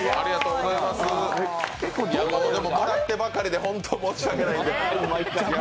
もらってばかりで本当に申し訳ない。